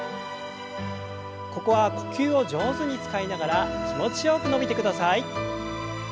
ここは呼吸を上手に使いながら気持ちよく伸びてください。